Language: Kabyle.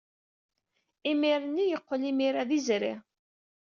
Imir-nni yeqqel imir-a d izri.